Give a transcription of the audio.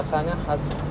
masaknya lebih enak